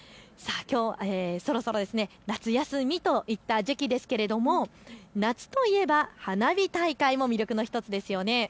そろそろ夏休みといった時期ですけれど夏といえば花火大会も魅力の１つですよね。